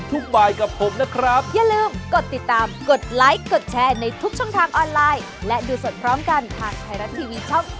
สวัสดีครับ